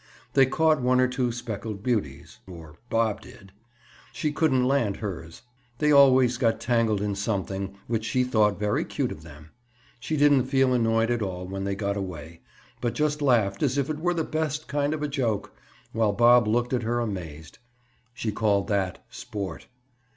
They caught one or two speckled beauties, or Bob did. She couldn't land hers. They always got tangled in something which she thought very cute of them. She didn't feel annoyed at all when they got away, but just laughed as if it were the best kind of a joke, while Bob looked at her amazed. She called that"sport."